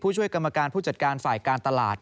ช่วยกรรมการผู้จัดการฝ่ายการตลาด